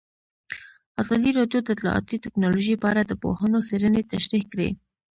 ازادي راډیو د اطلاعاتی تکنالوژي په اړه د پوهانو څېړنې تشریح کړې.